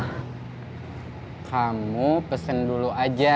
hai kamu pesen dulu aja